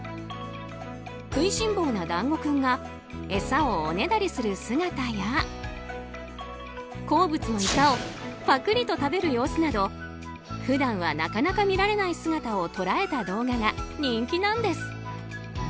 食いしん坊なだんご君が餌をおねだりする姿や好物のイカをぱくりと食べる様子など普段はなかなか見られない姿を捉えた動画が人気なんです。